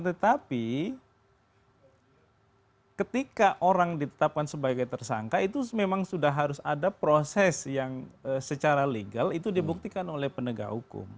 tetapi ketika orang ditetapkan sebagai tersangka itu memang sudah harus ada proses yang secara legal itu dibuktikan oleh penegak hukum